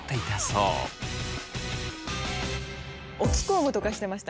置きコームとかしてました。